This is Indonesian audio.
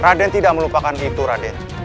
raden tidak melupakan itu raden